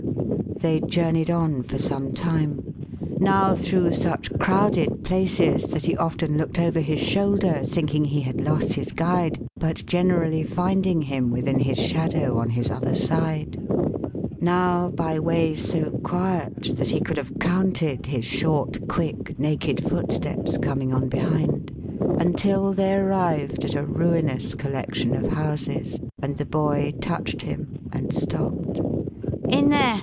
They journeyed on for some time — now through such crowded places, that he often looked over his shoulder thinking he had lost his guide, but generally finding him within his shadow on his other side; now by ways so quiet, that he could have counted his short, quick, naked footsteps coming on behind — until they arrived at a ruinous collection of houses, and the boy touched him and stopped. "In there!"